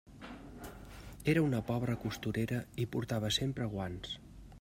Era una pobra costurera i portava sempre guants.